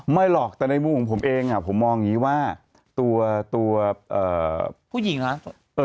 ไม่หรอกแต่ในมุมของผมเองอ่ะผมมองอย่างงี้ว่าตัวตัวเอ่อผู้หญิงเหรอ